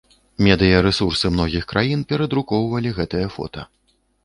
Медыярэсурсы многіх краін перадрукоўвалі гэтае фота.